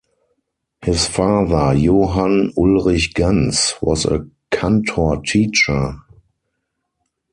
His father, Johann Ulrich Ganz, was a cantor teacher.